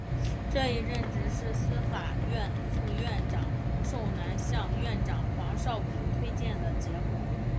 这一任职是司法院副院长洪寿南向院长黄少谷推荐的结果。